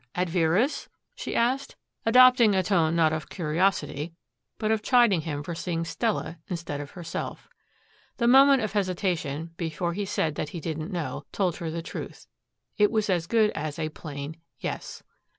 At Vera's?" she asked, adopting a tone not of curiosity but of chiding him for seeing Stella instead of herself. The moment of hesitation, before he said that he didn't know, told her the truth. It was as good as a plain, "Yes."